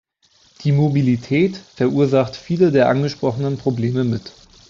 Die Mobilität verursacht viele der angesprochenen Probleme mit.